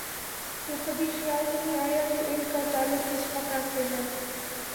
تو کبھی خیال نہیں آیا کہ ان کا تعلق کس فقہ سے ہے۔